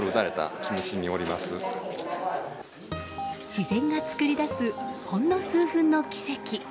自然が作り出すほんの数分の奇跡。